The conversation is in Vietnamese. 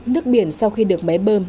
nước biển sau khi được máy bơm